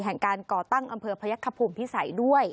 แห่งการก่อตั้งอำเภอพยักษภูมิพิสัยด้วย